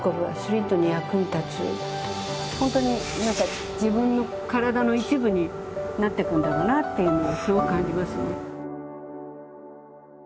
本当に何か自分の体の一部になっていくんだろうなっていうのはすごく感じますね。